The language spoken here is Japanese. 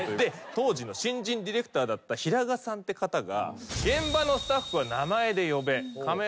当時の新人ディレクターだった平賀さんって方が。